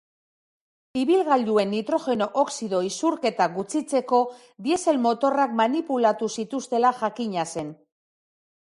Ibilgailuen nitrogeno oxido isurketak gutxitzeko diesel motorrak manipulatu zituztela jakina zen.